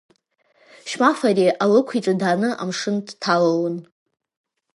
Шьмаф абри Алықә иҿы дааны амшын дҭалалон.